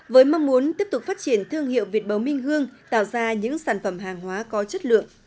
với mong muốn tiếp tục phát triển thương hiệu việt bấu minh hương tạo ra những sản phẩm hàng hóa có chất lượng